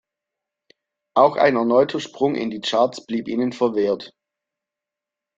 Auch ein erneuter Sprung in die Charts blieb ihnen verwehrt.